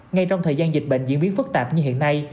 ngay trong thời gian dịch bệnh diễn biến phức tạp như hiện nay